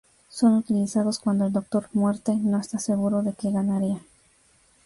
Son utilizados cuando el Doctor Muerte no está seguro de que ganaría.